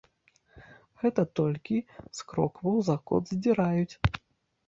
Гэта толькі з крокваў закот здзіраюць.